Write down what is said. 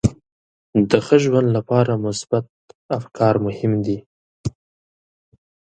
د ښه ژوند لپاره مثبت افکار مهم دي.